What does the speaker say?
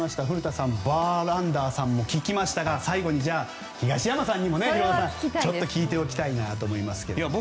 古田さん、バーランダーさんにも聞きましたが最後に東山さんにもちょっと聞いておきたいなと思いますけど。